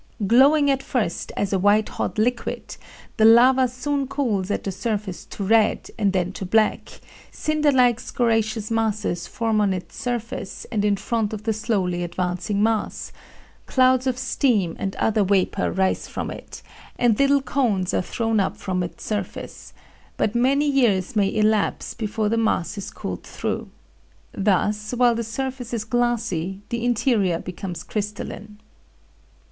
Glowing at first as a white hot liquid, the lava soon cools at the surface to red and then to black; cinder like scoriaceous masses form on its surface and in front of the slowly advancing mass; clouds of steam and other vapor rise from it, and little cones are thrown up from its surface; but many years may elapse before the mass is cooled through. Thus, while the surface is glassy, the interior becomes crystalline.